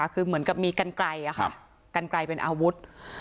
คือเหมือนกับมีกันไกลกันไกลเป็นอาวุธ